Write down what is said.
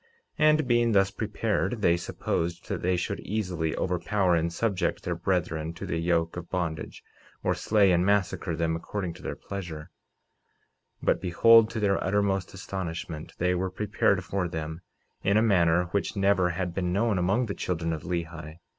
49:7 And being thus prepared they supposed that they should easily overpower and subject their brethren to the yoke of bondage, or slay and massacre them according to their pleasure. 49:8 But behold, to their uttermost astonishment, they were prepared for them, in a manner which never had been known among the children of Lehi.